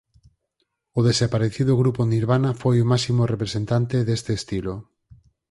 O desaparecido grupo Nirvana foi o máximo representante deste estilo.